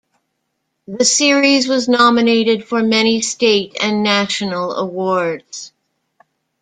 The series was nominated for many state and national awards.